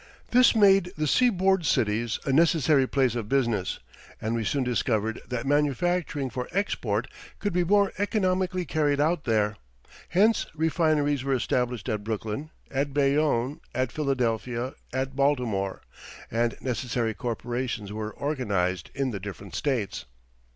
This made the sea board cities a necessary place of business, and we soon discovered that manufacturing for export could be more economically carried on there; hence refineries were established at Brooklyn, at Bayonne, at Philadelphia, at Baltimore, and necessary corporations were organized in the different states.